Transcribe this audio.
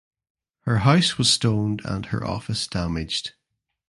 Her house was stoned and her office damaged.